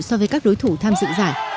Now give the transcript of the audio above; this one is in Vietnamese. so với các đối thủ tham dự giải